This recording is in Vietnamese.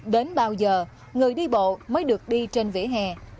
đến bao giờ người đi bộ mới được đi trên vỉa hè